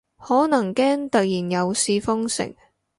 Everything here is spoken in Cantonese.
可能驚突然又試封城